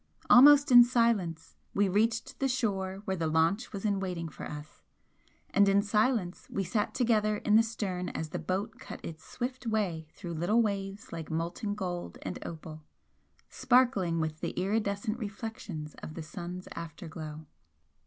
Almost in silence we reached the shore where the launch was in waiting for us, and in silence we sat together in the stern as the boat cut its swift way through little waves like molten gold and opal, sparkling with the iridescent reflections of the sun's after glow.